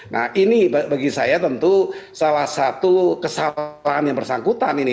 nah ini bagi saya tentu salah satu kesalahan yang bersangkutan ini